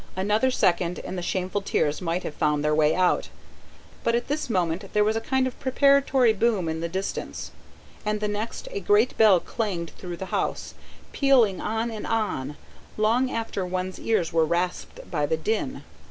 Another second, and the shameful tears might have found their way out. But at this moment there was a kind of preparatory boom in the distance, and the next, a great bell clanged through the house, pealing on and on, long after one's ears were rasped by the din.